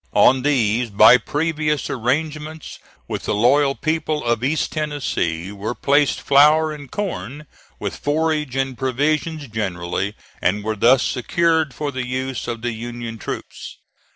On these, by previous arrangements with the loyal people of East Tennessee, were placed flour and corn, with forage and provisions generally, and were thus secured for the use of the Union troops.